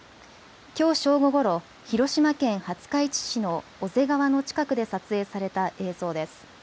きょう正午ごろ、広島県廿日市市の小瀬川の近くで撮影された映像です。